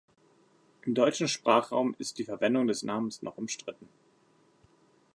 Im deutschen Sprachraum ist die Verwendung des Namens noch umstritten.